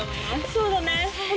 そうだね。